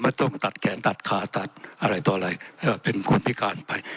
ต้องตัดแขนตัดขาตัดอะไรต่ออะไรเป็นคนพิการไป